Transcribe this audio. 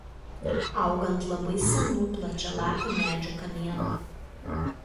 Auga ant labai senų plačialapių medžių kamienų.